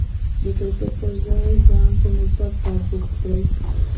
د کرکټ پر ځای ځان په مثبت کار بوخت کړئ.